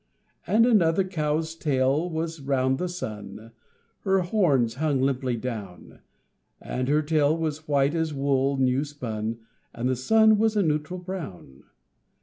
And another cow's tail was round the sun (Her horns hung limply down); And her tail was white as wool new spun, And the sun was a neutral brown.